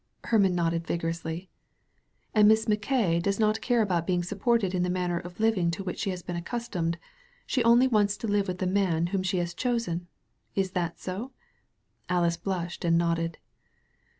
[Hermann nodded vigorously.] And Miss Mackaye does not care about being supported in the manner of living to which she has been ac customed; she only wants to live with the man whom she has chosen; is that so? [Alice blushed and nodded.